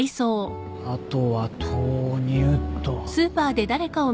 あとは豆乳っと